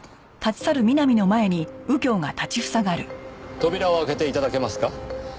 扉を開けて頂けますか？